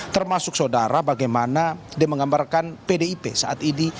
termasuk saudara bagaimana dia menggambarkan pdip saat ini